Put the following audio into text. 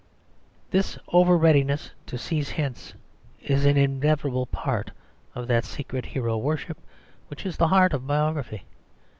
This over readiness to seize hints is an inevitable part of that secret hero worship which is the heart of biography.